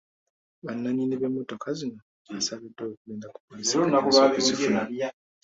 Bannanyini b'emotoka zino basaabiddwa okugenda ku poliisi e Kajjansi okuzifuna.